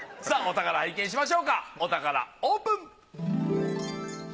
さあお宝拝見しましょうかお宝オープン！